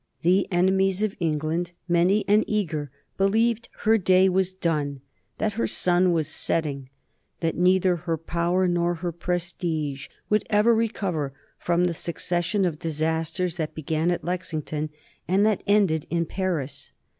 The enemies of England, many and eager, believed her day was done, that her sun was setting, that neither her power nor her prestige would ever recover from the succession of disasters that began at Lexington and that ended in Paris.